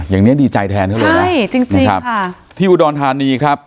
อย่างเนี้ยดีใจแทนใช่ไหมใช่จริงจริงค่ะครับที่บุดรฐานีครับ